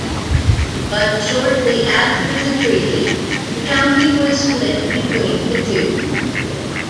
But shortly after the treaty, the County was split between the two.